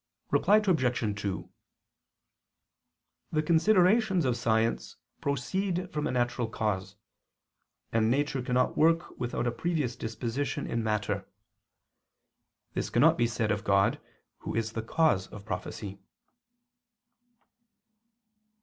Reply Obj. 2: The considerations of science proceed from a natural cause, and nature cannot work without a previous disposition in matter. This cannot be said of God Who is the cause of prophecy.